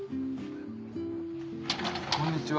こんにちは。